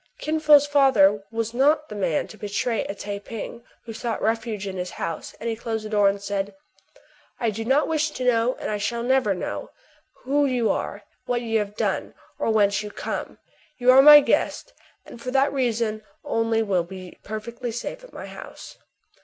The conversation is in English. Kin Fo's father was not the man to betray a Tai ping who sought refuge in his house ; and he closed the door, and said, —" I do not wish to know, and I never shall know, who you are, what you have done, or whence you come. You are my guest, and for that reason only will be perfectly safe at my house.''